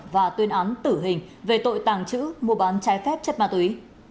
và tuyên án tử hình về tội tàng trữ mua bán trái phép chất ma túy